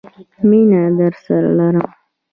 مینه درسره لرم